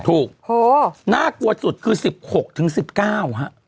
ถูกน่ากลัวสุดคือ๑๖ถึง๑๙ฮะ